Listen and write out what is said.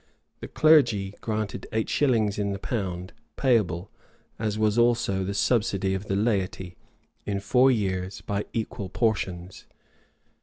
The clergy granted eight shillings in the pound, payable, as was also the subsidy of the laity, in four years by equal portions.